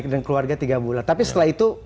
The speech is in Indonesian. dengan keluarga tiga bulan tapi setelah itu